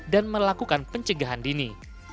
dan melakukan pencegahan dini